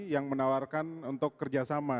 yang menawarkan untuk kerjasama